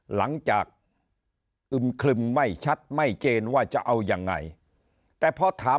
หลังจากอึ่มคลึมไม่ชัดไม่เจนว่าจะเอาอย่างไร